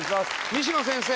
西野先生。